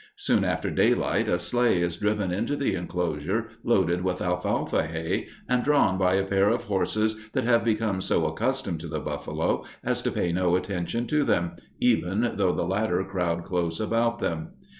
Soon after daylight a sleigh is driven into the inclosure, loaded with alfalfa hay and drawn by a pair of horses that have become so accustomed to the buffalo as to pay no attention to them, even though the latter crowd close about them.